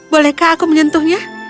bolehkah aku menyentuhnya